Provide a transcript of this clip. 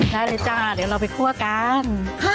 ได้เลยจ้าเดี๋ยวเราไปคั่วกัน